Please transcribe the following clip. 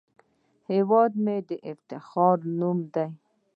هیواد مې د افتخار نوم دی